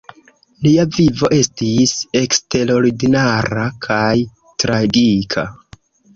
Lia vivo estis eksterordinara kaj tragika.